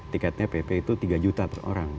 tiketnya pp itu tiga juta per orang